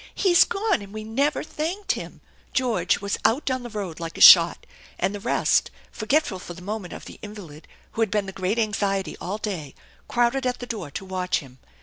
" He is gone, and we never thanked him !" George was out down the road like a shot; and the rest, forgetful for the moment of the invalid who had been the great anxiety all day, crowded at the door to watch him.